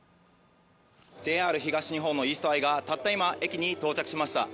ＪＲ東日本のＥａｓｔｉがたった今、駅に到着しました。